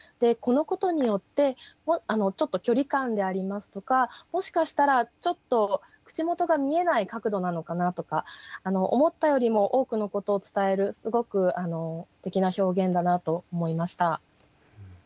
このことによってちょっと距離感でありますとかもしかしたらちょっと口元が見えない角度なのかなとか思ったよりも多くのことを伝えるすごくすてきな表現だなと思いました。